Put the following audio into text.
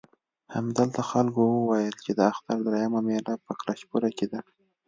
همدلته خلکو وویل چې د اختر درېیمه مېله په کلشپوره کې ده.